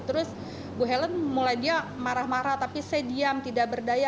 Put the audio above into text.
terus bu helen mulai dia marah marah tapi saya diam tidak berdaya